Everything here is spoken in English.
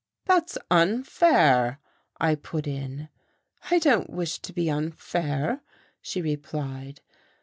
"That's unfair," I put in. "I don't wish to be unfair," she replied.